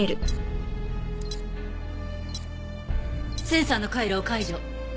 センサーの回路を解除。